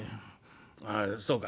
「ああそうか。